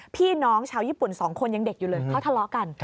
พี่น้องชาวญี่ปุ่น๒คนยังเด็กอยู่เลยเขาทะเลาะกัน